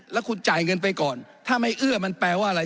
แล้วคุณจ่ายเงินไปก่อนถ้าไม่เอื้อมันแปลว่าอะไร